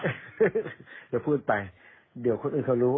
เดี๋ยวพูดไปเดี๋ยวคนอื่นเขารู้